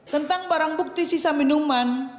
tentang barang bukti sisa minuman